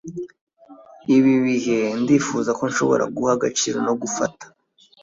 ibi bihe ndifuza ko nshobora guha agaciro no gufata